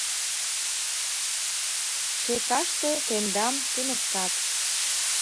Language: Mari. Чекаште тендам туныктат!